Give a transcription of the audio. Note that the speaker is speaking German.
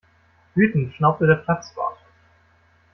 Wütend schnaubte der Platzwart.